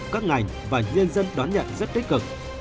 các ngành và nhân dân đón nhận rất tích cực